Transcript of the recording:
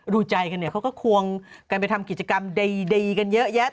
ดูใจกันเนี่ยเขาก็ควงกันไปทำกิจกรรมดีกันเยอะแยะ